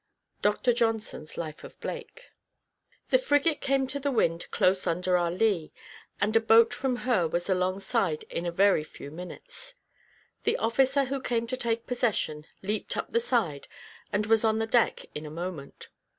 DR JOHNSON'S Life of Blake. The frigate came to the wind close under our lee, and a boat from her was alongside in a very few minutes. The officer who came to take possession, leaped up the side, and was on the deck in a moment.